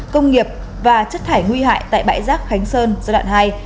công nghiệp và chất thải nguy hại tại bãi rác khánh sơn giai đoạn hai